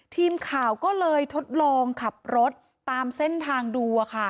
ทีมข่าวก็เลยทดลองขับรถตามเส้นทางดู